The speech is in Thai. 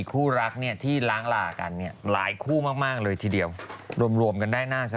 กลัวว่าผมจะต้องไปพูดให้ปากคำกับตำรวจยังไง